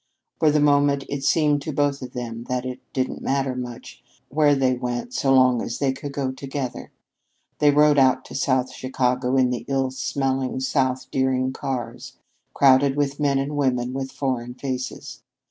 For the moment it seemed to both of them that it didn't matter much where they went so long as they could go together. They rode out to South Chicago on the ill smelling South Deering cars, crowded with men and women with foreign faces.